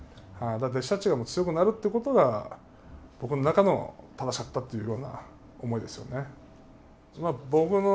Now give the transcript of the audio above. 弟子たちが強くなるってことが僕の中の正しかったっていうような思いですよね。